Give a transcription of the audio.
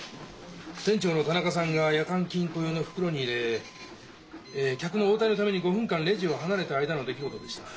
店長の田中さんが夜間金庫用の袋に入れ客の応対のために５分間レジを離れた間の出来事でした。